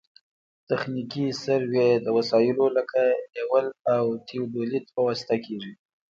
تخنیکي سروې د وسایلو لکه لیول او تیودولیت په واسطه کیږي